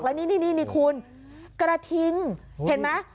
แล้วนี่คุณกระทิงเห็นไหม